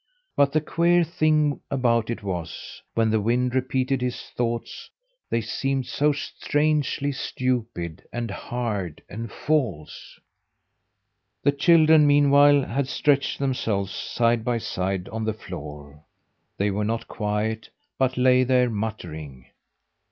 But the queer thing about it was, when the wind repeated his thoughts, they seemed so strangely stupid and hard and false! The children meanwhile had stretched themselves, side by side, on the floor. They were not quiet, but lay there muttering.